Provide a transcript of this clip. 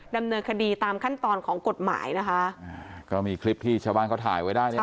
ดำเนินคดีตามขั้นตอนของกฎหมายนะคะอ่าก็มีคลิปที่ชาวบ้านเขาถ่ายไว้ได้เนี่ย